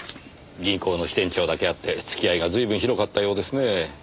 銀行の支店長だけあって付き合いがずいぶん広かったようですねえ。